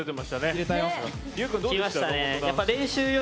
入れたよ。